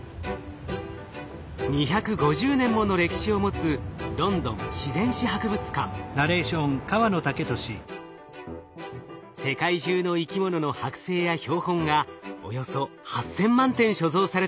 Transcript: ２５０年もの歴史を持つ世界中の生き物のはく製や標本がおよそ８，０００万点所蔵されています。